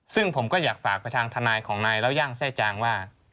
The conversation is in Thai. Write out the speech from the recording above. ซึ่งผมก็อยากฝากไปทางทนายของนายเล่าย่างไส้จางว่า